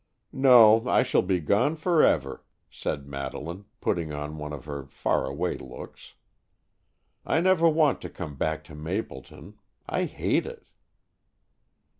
"No, I shall be gone forever," said Madeleine, putting on one of her faraway looks. "I never want to come back to Mapleton. I hate it!"